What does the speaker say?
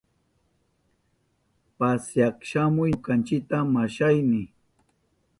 Pasyak shamuy ñukanchita, mashayni.